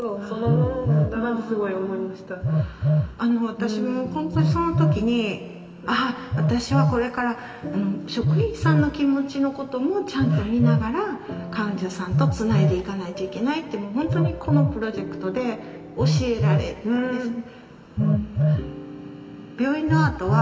私も本当にその時に「ああ私はこれから職員さんの気持ちのこともちゃんと見ながら患者さんとつないでいかないといけない」って本当にこのプロジェクトで教えられたんですね。